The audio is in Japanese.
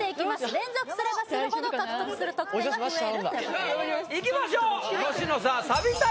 連続すればするほど獲得する得点が増えるということですいきましょう！